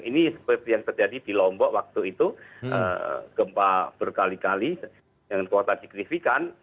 ini seperti yang terjadi di lombok waktu itu gempa berkali kali dengan kuota signifikan